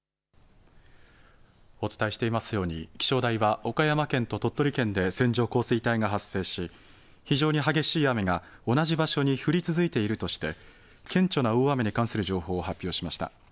お伝えしていますように気象台は岡山県と鳥取県で線状降水帯が発生し非常に激しい雨が同じ場所に降り続いているとして顕著な大雨に関する情報を発表しました。